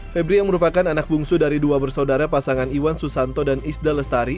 febri yang merupakan anak bungsu dari dua bersaudara pasangan iwan susanto dan isda lestari